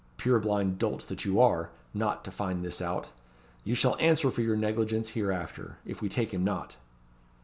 "Purblind dolts that you are, not to find this out. You shall answer for your negligence hereafter, if we take him not."